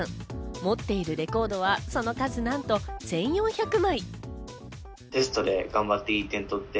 持っているレコードは、その数、なんと１４００枚。